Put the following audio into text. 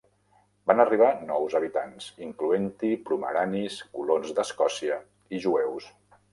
Van arribar nous habitants, incloent-hi pomeranis, colons d'Escòcia i jueus.